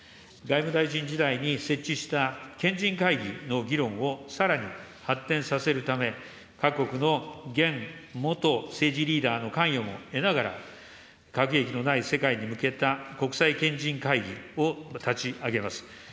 外務大臣時代に設置した賢人会議の議論をさらに発展させるため、各国の現・元政治リーダーの関与も得ながら、核兵器のない世界に向けた国際賢人会議を立ち上げます。